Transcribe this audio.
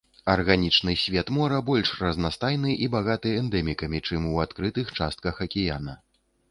Арганічны свет мора больш разнастайны і багаты эндэмікамі, чым у адкрытых частках акіяна.